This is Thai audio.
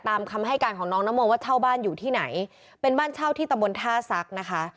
คำให้การของน้องนโมว่าเช่าบ้านอยู่ที่ไหนเป็นบ้านเช่าที่ตำบลท่าซักนะคะ